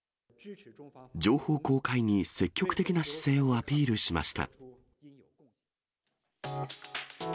情報公開に積極的な姿勢をアピールしました。